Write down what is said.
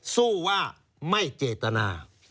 สู้ว่าไม่เจตนา